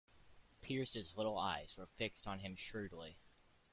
Pearce's little eyes were fixed on him shrewdly.